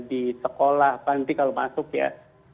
di sekolah panti kalau masuk ya